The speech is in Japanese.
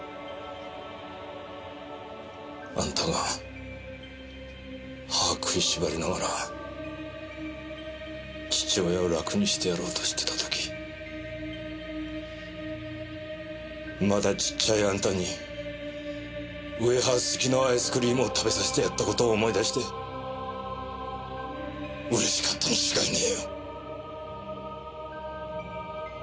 あんたが歯食いしばりながら父親を楽にしてやろうとしてた時まだちっちゃいあんたにウエハース付きのアイスクリームを食べさせてやった事を思い出して嬉しかったに違いねえよ。